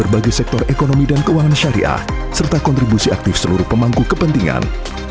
bagi sektor ekonomi dan keuangan syariah serta kontribusi aktif seluruh pemangku kepentingan